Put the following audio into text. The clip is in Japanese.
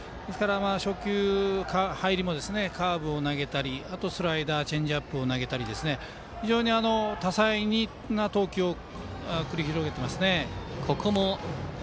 初球の入りもカーブを投げたりスライダー、チェンジアップを投げたりと、非常に多彩な投球を繰り広げていますね。